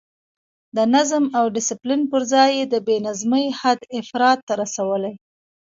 د نظم او ډسپلین پر ځای یې د بې نظمۍ حد افراط ته رسولی.